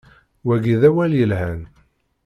Wagi d awal yelhan.